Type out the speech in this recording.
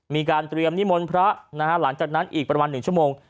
มีการเตรียมนิมนต์พระหลังจากนั้นอีกประมาณ๑ชั่วโมง